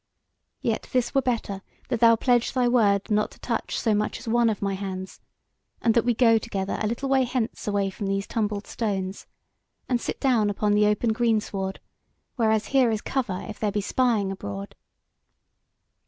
Yet this were better, that thou pledge thy word not to touch so much as one of my hands, and that we go together a little way hence away from these tumbled stones, and sit down upon the open greensward; whereas here is cover if there be spying abroad."